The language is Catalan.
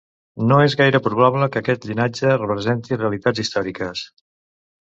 No és gaire probable que aquest llinatge representi realitats històriques.